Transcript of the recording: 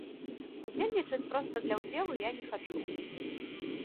Удзельнічаць проста для ўдзелу я не хачу.